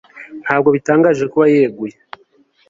Ntabwo bitangaje kuba yeguye